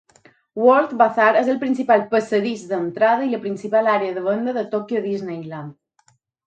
World Bazaar és el principal passadís d"entrada i la principal àrea de venda de Tokyo Disneyland.